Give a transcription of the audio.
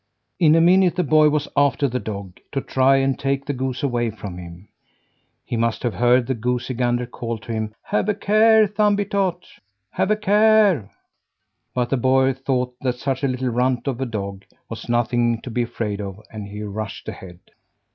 In a minute the boy was after that dog, to try and take the goose away from him. He must have heard the goosey gander call to him: "Have a care, Thumbietot! Have a care!" But the boy thought that such a little runt of a dog was nothing to be afraid of and he rushed ahead.